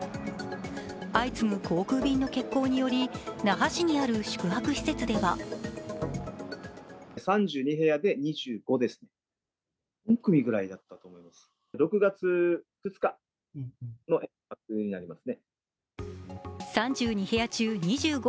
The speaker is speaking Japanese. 相次ぐ航空便の欠航により那覇市にある宿泊施設では３２部屋中２５